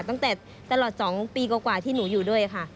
ตั้งแต่ตลอด๒ปีกว่าที่หนูอยู่ด้วยค่ะ